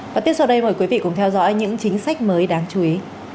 và tiếp sau đây mời quý vị cùng theo dõi những chính sách mới đáng chú ý